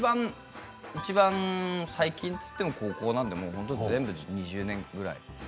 いちばん最近といっても高校なので２０年ぐらいですね。